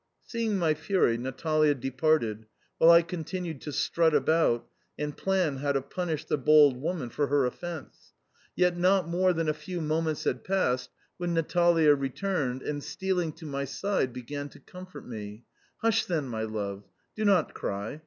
Seeing my fury, Natalia departed, while I continued to strut about and plan how to punish the bold woman for her offence. Yet not more than a few moments had passed when Natalia returned and, stealing to my side, began to comfort me, "Hush, then, my love. Do not cry.